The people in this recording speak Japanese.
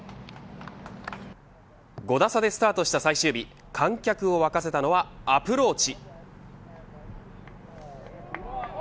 ５打差でスタートした最終日観客を沸かせたのはアプローチ。